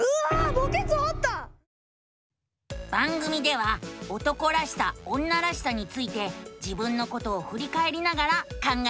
番組では「男らしさ女らしさ」について自分のことをふりかえりながら考えているのさ。